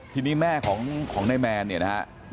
ทีนี้แม่นายแมนเนี่ยนะครับ